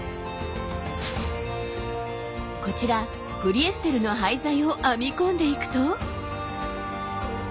こちらポリエステルの廃材を編み込んでいくと。